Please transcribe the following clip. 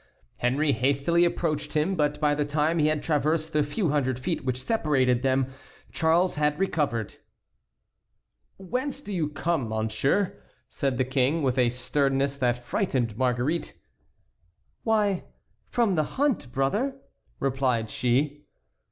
Henry hastily approached him, but by the time he had traversed the few hundred feet which separated them, Charles had recovered. "Whence do you come, monsieur?" said the King, with a sternness that frightened Marguerite. "Why, from the hunt, brother," replied she.